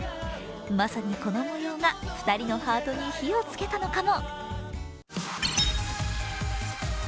まさに、この模様が２人のハートに火をつけたのかも？